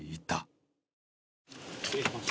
失礼します。